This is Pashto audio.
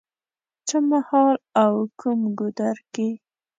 څه مهال او کوم ګودر کې